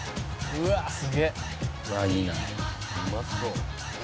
「うまそう」